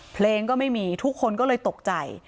เพลงก็ไม่มีทุกคนก็เลยตกใจ